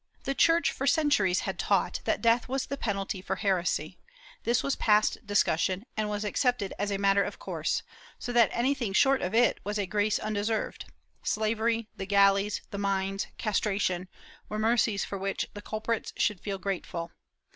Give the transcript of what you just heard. The Church for centuries had taught that death was the penalty for heresy; this was past discussion and was accepted as a matter of course, so that anything short of it was a grace undeserved — slavery, the galleys, the mines, castration, were mercies for which the culprits should feel grate ful.